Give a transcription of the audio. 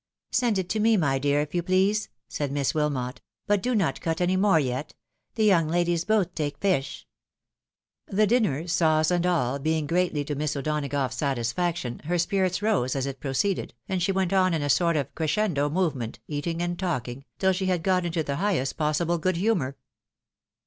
" Send it to me, my dear, if you please," said Miss Wilmot ; "but do not cut any more yet. The young ladies both take fish." The dinner, sauce and all, being greatly to Miss O'Dona gough's satisfaction, her spirits rose as it proceeded, and she went on in a sort of crescendo movement, eating and talkingj tin she had got into the highest possible good humour.